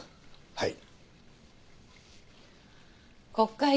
はい。